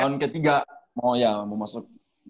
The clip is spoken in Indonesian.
tahun ketiga mau ya mau masuk dua ribu dua puluh